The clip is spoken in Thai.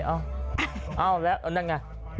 เอาแล้วนั่นไง